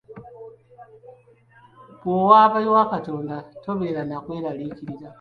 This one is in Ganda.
Bw'owaaba ewa Katonda tobeera na kweraliikirira.